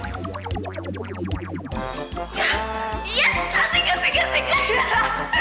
ya iya sike sike sike